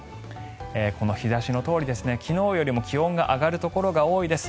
この日差しのとおり昨日よりも気温が上がるところが多いです。